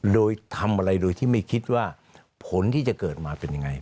โดยทำอะไรโดยที่ไม่คิดว่าผลที่จะเกิดมาเป็นยังไง